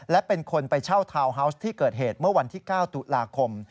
และเป็นคนไปเช่าทาวน์ฮาวส์ที่เกิดเหตุเมื่อวันที่๙ตุลาคม